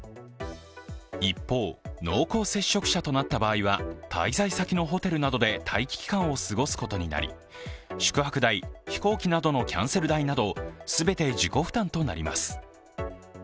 一方、濃厚接触者となった場合は滞在先のホテルなどで待機期間を過ごすことになり、宿泊代、飛行機などのキャンセル代など全て自己負担となります。